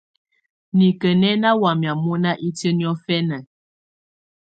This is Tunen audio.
Nikǝ̀ nɛ̀ ná wamɛ̀á mɔ̀na itiǝ́ niɔ̀fɛ̀na.